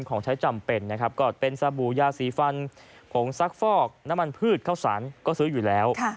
ของใช้จำเป็นนะครับก็เป็นสบู่ยาสีฟันผงซักฟอกน้ำมันพืชข้าวสารก็ซื้ออยู่แล้ว